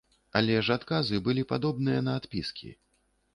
Але ж адказы былі падобныя на адпіскі.